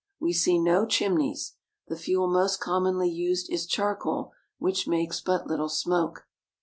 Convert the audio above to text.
We see no chimneys. The fuel most commonly used is charcoal, which makes but little smoke.